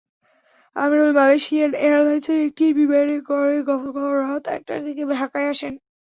আমিরুল Malaysian এয়ারলাইনসের একটি বিমানে করে গতকাল রাত একটার দিকে ঢাকায় আসেন।